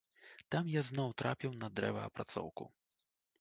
Там я зноў трапіў на дрэваапрацоўку.